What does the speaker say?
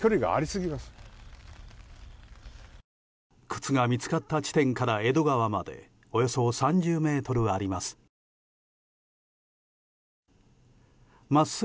靴が見つかった地点から江戸川までおよそ３０ｍあります。